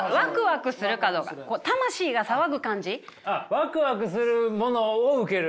ワクワクするものを受ける。